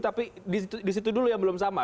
tapi disitu dulu yang belum sama